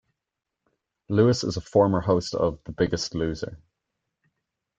Lewis is a former host of "The Biggest Loser".